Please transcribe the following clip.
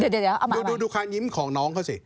เดี๋ยวมาดูความยิ้มของน้องเขาสิ